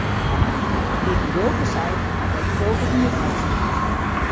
Dy't in bulte seit, moat ek in bulte wiermeitsje.